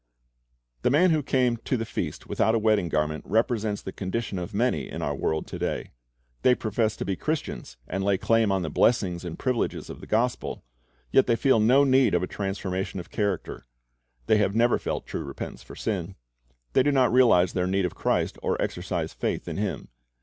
The man who came to the feast without a wedding garment represents the condition of many in our world to day. They profess to be Christians, and lay claim to the blessings and privileges of the gospel; yet they feel no need of a transformation of character. The} have never felt true repentance for sin. They do not realize their need of Christ or exercise faith in Him.